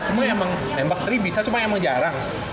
cuma emang nembak tiga bisa cuma emang jarang